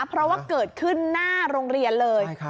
เพราะว่าเกิดขึ้นหน้าโรงเรียนเลย